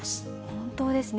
本当ですね。